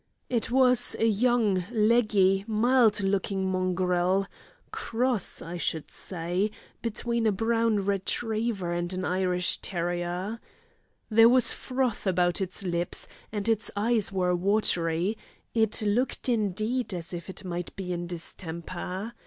It was a young, leggy, mild looking mongrel, cross—I should say—between a brown retriever and an Irish terrier. There was froth about its lips, and its eyes were watery; it looked indeed as if it might be in distemper.